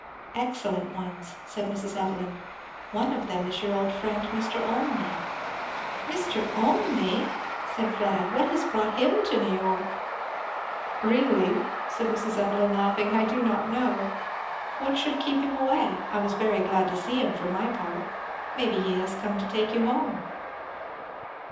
"Excellent ones," said Mrs. Evelyn. "One of them is your old friend Mr. Olmney," "Mr. Olmney!" said Fleda. "What has brought him to New York?" "Really," said Mrs. Evelyn laughing, "I do not know. What should keep him away? I was very glad to see him, for my part. Maybe he has come to take you home."